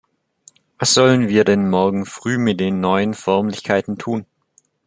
Was sollen wir denn morgen früh, mit den neuen Förmlichkeiten, tun?